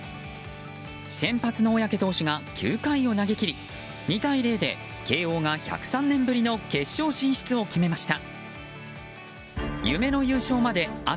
先発の小宅投手が９回を投げ切り２対０で慶応が１０３年ぶりの決勝進出を決めました。